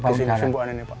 mana simbukan ini pak